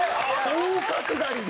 大角刈りで。